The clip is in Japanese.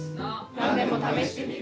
何でも試してみる。